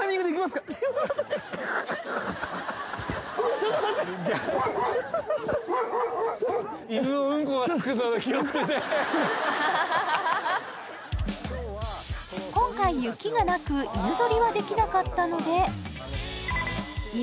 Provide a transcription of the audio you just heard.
ちょっと待って今回雪がなく犬ぞりはできなかったので犬